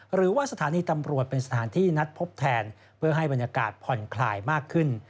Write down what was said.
หรือว่าสถานีตำรวจเป็นสถานที่นัดพบแทนเพื่อให้บรรยากาศผ่อนคลายมากขึ้น